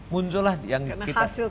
muncullah yang kita karena hasil